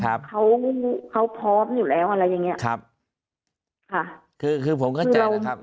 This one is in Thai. เขาพร้อมอยู่แล้วอะไรอย่างเงี้ยคือผมเข้าใจนะครับ